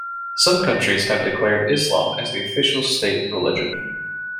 Some countries have declared Islam as the official state religion.